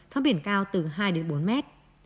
gió biển cao từ hai bốn mét